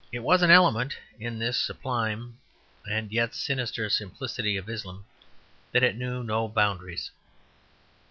It was an element in this sublime and yet sinister simplicity of Islam that it knew no boundaries.